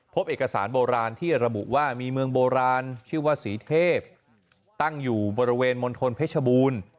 พบเอกสารโบราณที่ระบุว่ามีเมืองโบราณชื่อว่าศรีเทพตั้งอยู่บริเวณมณฑลเพชรบูรณ์